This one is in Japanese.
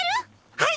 はい！